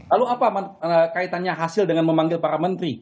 lalu apa kaitannya hasil dengan memanggil para menteri